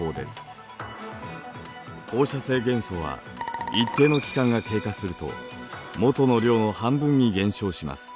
放射性元素は一定の期間が経過すると元の量の半分に減少します。